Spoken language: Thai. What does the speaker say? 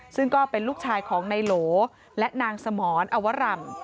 ซึ่งก็เป็นลูกชายของนายโหลและนางสมรอวรำ